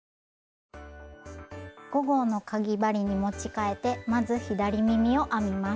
５号のかぎ針に持ち替えてまず左耳を編みます。